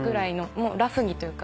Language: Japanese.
もうラフにというか。